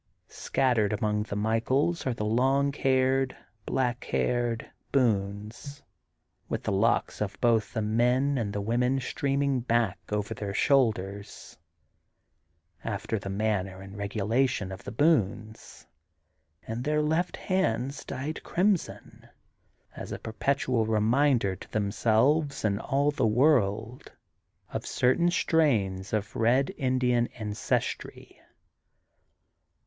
Scattered among the Michaels are the long haired, black haired Boones, with the locks of both the men and women streaming back over their shoulders, after the manner and regulation of the Boones, and their left hands dyed crimson, as a perpetual reminder to themselves and all the world of certain strains of Red Iiidian ancestry.